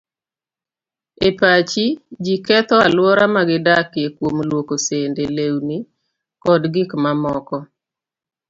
E pacho, ji ketho alwora ma gidakie kuom lwoko sende, lewni, koda gik mamoko.